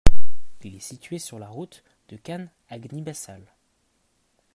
Il est situé sur la route de Kahn à Nguibassal.